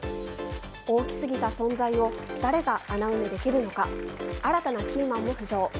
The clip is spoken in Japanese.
大きすぎた存在を誰が穴埋めできるのか新たなキーマンも浮上。